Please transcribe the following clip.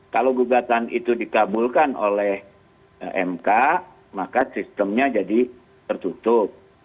kalau gugatan itu dikabulkan oleh mk maka sistemnya jadi tertutup